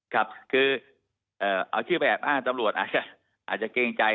ครับคือเอาชื่อไปแอบอ้างตำรวจอาจจะเกรงใจ